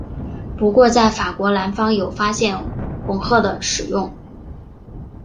不过在法国南方有发现红赭的使用。